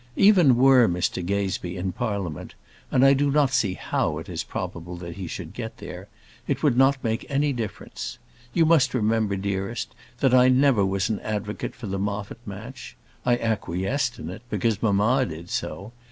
Even were Mr Gazebee in Parliament and I do not see how it is probable that he should get there it would not make any difference. You must remember, dearest, that I never was an advocate for the Moffat match. I acquiesced in it, because mamma did so.